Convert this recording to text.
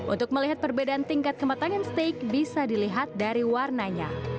untuk melihat perbedaan tingkat kematangan steak bisa dilihat dari warnanya